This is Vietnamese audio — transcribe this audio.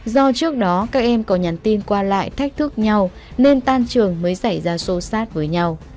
do trước đó các em có nhắn tin qua lại thách thức nhau nên tan trường mới xảy ra xô xát với nhau